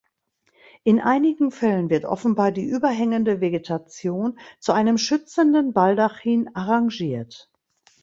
In einigen Fällen wird offenbar die überhängende Vegetation zu einem schützenden Baldachin arrangiert.